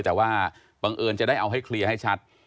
แต่ว่าบังเอิญจะได้เอาให้เคลียร์ให้ชัด